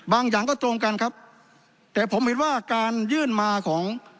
อย่างก็ตรงกันครับแต่ผมเห็นว่าการยื่นมาของ